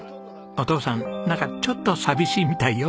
お父さんちょっと寂しいみたいよ。